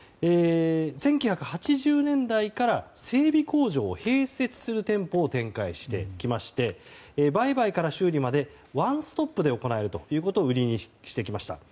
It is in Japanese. １９８０年代から、整備工場を併設する店舗を展開してきまして売買から修理までワンストップで行えるということを売りにしてきました。